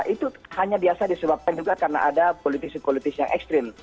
itu hanya biasa disebabkan juga karena ada politisi politisi yang ekstrim